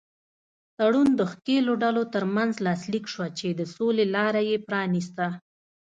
تړون د ښکېلو ډلو تر منځ لاسلیک شوه چې د سولې لاره یې پرانیسته.